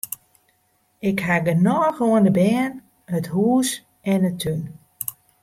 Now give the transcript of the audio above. Ik haw genôch oan de bern, it hûs en de tún.